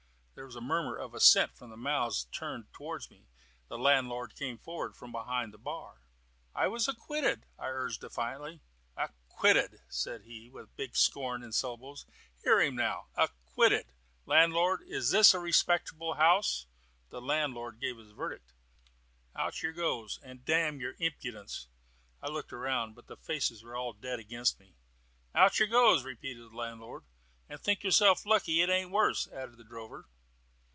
There was a murmur of assent from the mouths turned towards me. The landlord came forward from behind the bar. "I was acquitted," I urged defiantly. "Ac quitted!" said he, with big scorn in the syllables. "Hear im now 'ac quitted!' Landlord, is this a respectable house?" The landlord gave his verdict. "H'out yer goes, and damn yer impudence!" I looked round, but their faces were all dead against me. "H'out yer goes!" repeated the landlord. "And think yerself lucky it aint worse," added the drover.